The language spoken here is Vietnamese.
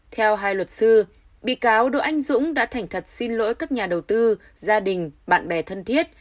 theo hai luật sư bị cáo đỗ anh dũng đã thành thật xin lỗi các nhà đầu tư gia đình bạn bè thân thiết